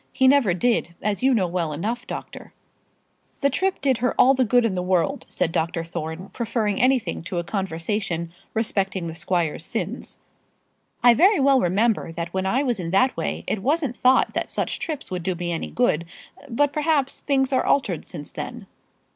He never did, as you know well enough, doctor." "The trip did her all the good in the world," said Dr. Thorne, preferring anything to a conversation respecting the squire's sins. "I very well remember that when I was in that way it wasn't thought that such trips would do me any good. But, perhaps, things are altered since then."